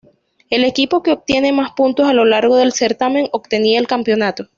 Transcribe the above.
El equipo que obtiene más puntos a lo largo del certamen obtenía el campeonato.